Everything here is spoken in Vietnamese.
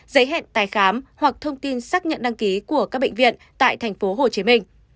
giấy hẹn tái khám hoặc thông tin xác nhận đăng ký của các bệnh viện tại tp hcm